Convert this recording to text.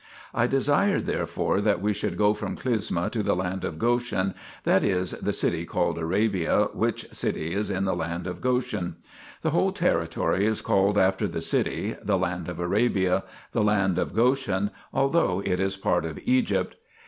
I desired therefore that we should go from Clysma to the land of Goshen, 2 that is, to the city called Arabia, which city is in the land of Goshen. The whole territory is called after the city, the land of Arabia, the land of Goshen, although it is part of Egypt.